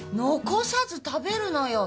残さず食べるのよ！